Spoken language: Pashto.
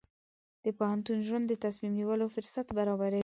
د پوهنتون ژوند د تصمیم نیولو فرصت برابروي.